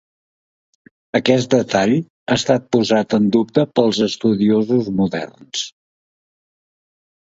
Aquest detall ha estat posat en dubte pels estudiosos moderns.